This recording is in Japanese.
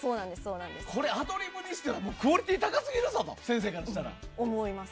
アドリブにしてはクオリティー高すぎるぞと先生からしたら。